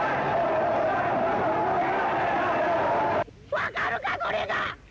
わかるかこれが。